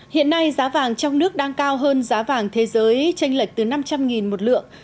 hiện nay giá vàng trong nước đang cao hơn giá vàng thế giới tranh lệch từ năm trăm linh một lượng